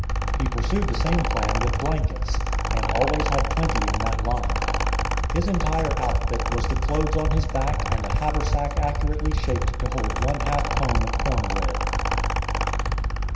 He pursued the same plan with blankets, and always had plenty in that line. His entire outfit was the clothes on his back and a haversack accurately shaped to hold one half pone of corn bread.